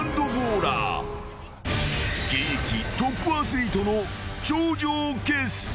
［現役トップアスリートの頂上決戦］